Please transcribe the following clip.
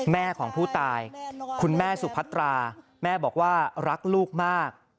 แม่ของผู้ตายคุณแม่สุพัตราแม่บอกว่ารักลูกมาก